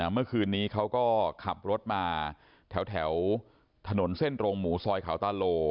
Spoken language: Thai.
เมื่อคืนนี้เขาก็ขับรถมาแถวถนนเส้นโรงหมูซอยเขาตาโล